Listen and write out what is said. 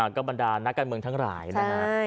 ก็บรรดานักการเมืองทั้งหลายนะครับ